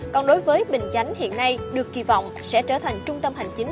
còn đối với bình chánh hiện nay được kỳ vọng sẽ trở thành trung tâm hành chính